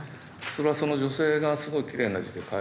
それはその女性がすごいきれいな字で書いていて。